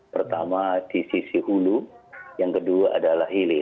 pertama di sisi hulu yang kedua adalah hilir